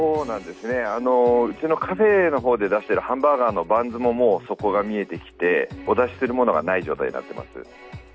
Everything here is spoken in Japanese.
うちのカフェの方で出してるハンバーガーのバンズも底が見えてきて、お出ししているものがない状態になっています。